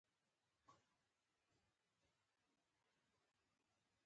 کۀ پۀ پخلي ځائے کښې کار زيات وي